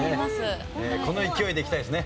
この勢いでいきたいですね。